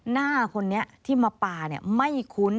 หน้าคนนี้ที่มาปลาไม่คุ้น